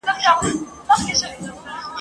مست لکه رباب سمه، بنګ سمه، شراب سمه !.